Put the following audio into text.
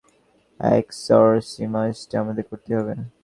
এক্সোরসিজমটা আমাদের করতেই হবে!